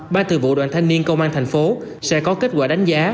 ba thư vụ đoàn thanh niên công an thành phố sẽ có kết quả đánh giá